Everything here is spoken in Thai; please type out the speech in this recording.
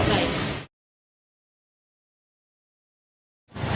ใช่